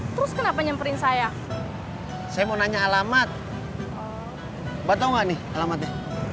terus kenapa nyamperin saya saya mau nanya alamat baton gani alamatnya